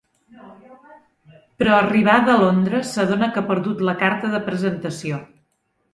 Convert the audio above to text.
Però arribada a Londres s’adona que ha perdut la carta de presentació.